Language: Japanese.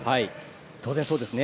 当然そうですね。